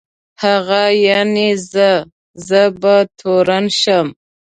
هغه یعني زه، زه به تورن شم.